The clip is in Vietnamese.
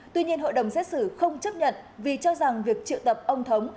tuy nhiên hội đồng xét xử không chấp nhận vì cho rằng việc triệu tập ông thống